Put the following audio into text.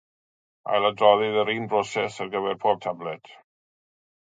Ailadroddir yr un broses ar gyfer pob tabled.